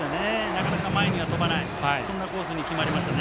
なかなか前には飛ばないそんなコースにいきましたね。